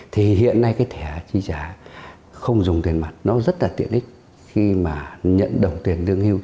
thì hiện nay cái thẻ chi trả không dùng tiền mặt nó rất là tiện ích khi mà nhận đồng tiền lương hưu